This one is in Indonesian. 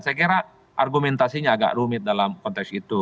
saya kira argumentasinya agak rumit dalam konteks itu